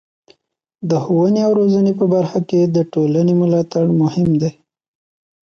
د ښوونې او روزنې په برخه کې د ټولنې ملاتړ مهم دی.